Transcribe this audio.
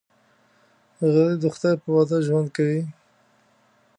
غریب د خدای په وعده ژوند کوي